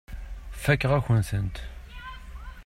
Fakeɣ-akent-tent.